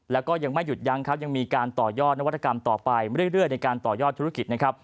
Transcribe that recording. แล้วก็ยังไม่หยุดยั้งครับยังมีการต่อยอดนวัตกรรมต่อไปเรื่อยในการต่อยอดธุรกิจนะครับ